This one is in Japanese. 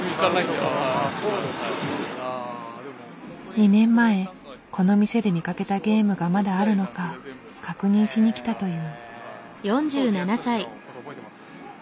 ２年前この店で見かけたゲームがまだあるのか確認しに来たという。